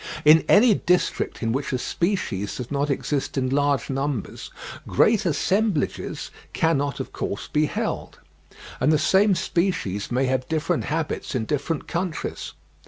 In any district in which a species does not exist in large numbers, great assemblages cannot, of course, be held, and the same species may have different habits in different countries.